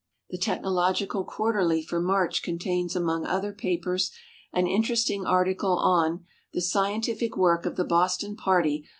The Technological Qnarterhj for .Ahirch contains, aiiionjr otlier impers an interesting article on "The .ScientiHc Work of the Boston Party